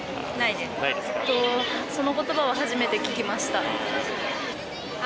その言葉は初めて聞きましたあ